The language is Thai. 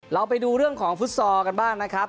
เราไปดูเรื่องของฟุตซอลกันบ้างนะครับ